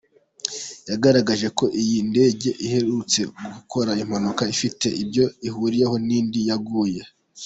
yagaragaje ko iyi ndege iherutse gukora impanuka ifite ibyo ihuriyeho n’indi yaguye